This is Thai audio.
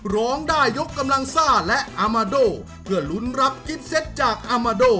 ร้องได้ยกกำลังซ่าและอามาโดเพื่อลุ้นรับกิฟเซตจากอามาโด